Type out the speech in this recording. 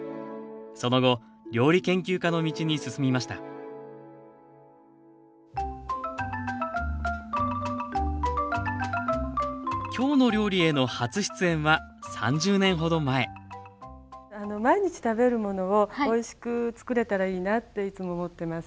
その後料理研究家の道に進みました「きょうの料理」への初出演は３０年ほど前毎日食べるものをおいしく作れたらいいなっていつも思ってます。